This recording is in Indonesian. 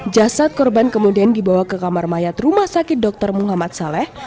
jasad korban kemudian dibawa ke kamar mayat rumah sakit dr muhammad saleh